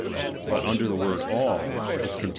But under the word all, is ^H conta.